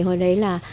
hồi đấy là